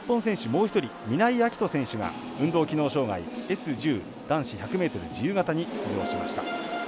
もう１人、南井瑛翔選手が運動機能障がいＳ１０男子１００ｍ自由形に出場しました。